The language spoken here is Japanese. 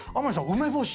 梅干し。